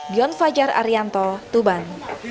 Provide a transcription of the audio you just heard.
dion fajar arianto tuban